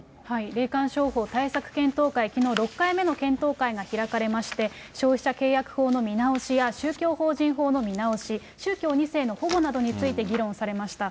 霊感商法対策検討会、きのう、６回目の検討会が開かれまして、消費者契約法の見直しや宗教法人法の見直し、宗教２世の保護などについて議論されました。